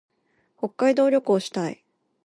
北海道旅行したい。